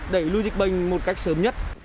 để lưu dịch bệnh một cách sớm nhất